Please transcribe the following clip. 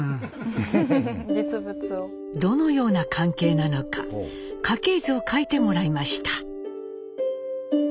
どのような関係なのか家系図を書いてもらいました。